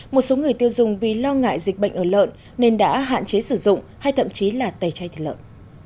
một số người tiêu dùng vì lo ngại dịch bệnh ở lợn nên đã hạn chế sử dụng hay thậm chí là tẩy chay thịt lợn